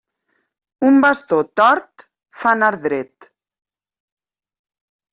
Un bastó tort fa anar dret.